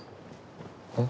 えっ？